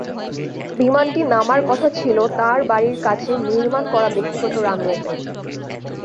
বিমানটি নামার কথা ছিল তাঁর বাড়ির কাছে নির্মাণ করা ব্যক্তিগত রানওয়েতে।